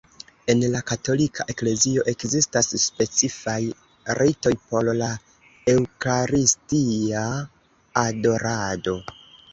En la Katolika Eklezio ekzistas specifaj ritoj por la Eŭkaristia adorado.